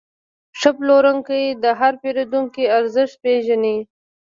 ښه پلورونکی د هر پیرودونکي ارزښت پېژني.